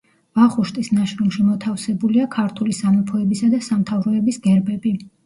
ვახუშტის ნაშრომში მოთავსებულია ქართული სამეფოებისა და სამთავროების გერბები.